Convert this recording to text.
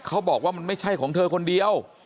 เขาบอกว่ามันไม่ใช่ของเธอคนเดียว